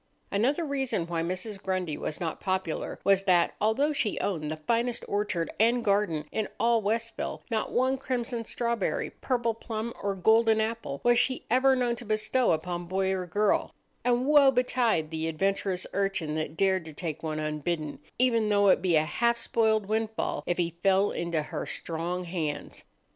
Another reason why Mrs. Grundy was not popular was that, although she owned the finest orchard and garden in all Westville, not one crimson strawberry, purple plum, or golden apple was she ever known to bestow upon boy or girl; and woe betide the adventurous urchin that dared to take one unbidden, even though it be a half spoiled windfall, if he fell into her strong hands!